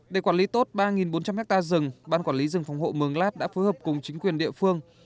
để quản lý tốt ba bốn trăm linh hectare rừng ban quản lý rừng phòng hộ mường lát đã phối hợp cùng chính quyền địa phương